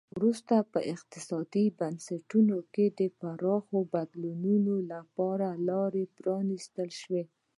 وروسته په اقتصادي بنسټونو کې پراخو بدلونونو لپاره لار پرانیستل شوه.